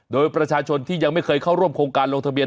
โดยประชาชนที่ยังไม่เคยเข้าร่วมโครงการลงทะเบีย